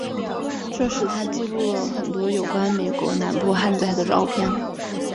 这时他记录了很多有关美国南部旱灾的照片。